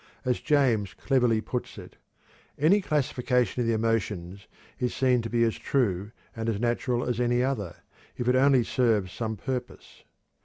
As James cleverly puts it: "Any classification of the emotions is seen to be as true and as natural as any other, if it only serves some purpose."